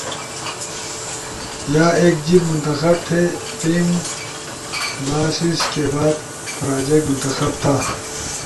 با ایک جیِب منتخب تھے۔ ٹیم۔ با سیسی کے بعد پراجیکٹ منتخب تھا